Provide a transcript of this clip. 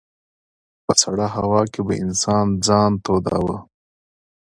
په سړه هوا کې به انسان ځان توداوه.